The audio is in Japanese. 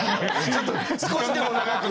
ちょっと少しでも長く。